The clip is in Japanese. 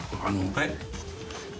はい？